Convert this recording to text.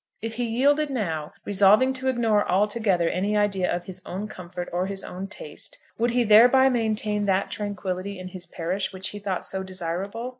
If he yielded now, resolving to ignore altogether any idea of his own comfort or his own taste, would he thereby maintain that tranquillity in his parish which he thought so desirable?